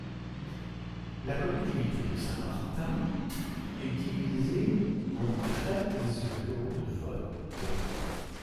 La collectivité de Saint-Martin est divisée en treize bureaux de vote.